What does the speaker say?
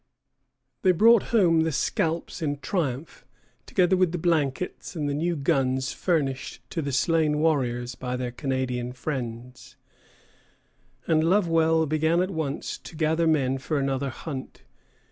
They brought home the scalps in triumph, together with the blankets and the new guns furnished to the slain warriors by their Canadian friends; and Lovewell began at once to gather men for another hunt.